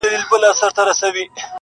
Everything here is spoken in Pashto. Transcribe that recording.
پر سر یې راوړل کشمیري د خیال شالونه!